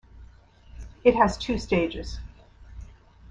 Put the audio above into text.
It has two stages.